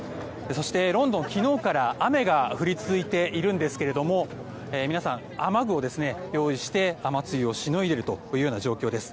そして、ロンドン、昨日から雨が降り続いているんですけども皆さん、雨具を用意して雨粒をしのいでいる状況です。